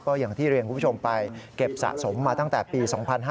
อย่างที่เรียนคุณผู้ชมไปเก็บสะสมมาตั้งแต่ปี๒๕๕๙